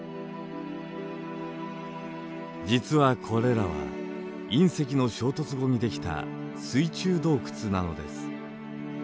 実はこれらは隕石の衝突後にできた水中洞窟なのです。